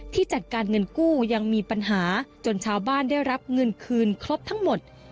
ที่จัดการเงินกู้ยังมีปัญหาจนชาวบ้านได้รับเงินคืนครบทั้งหมด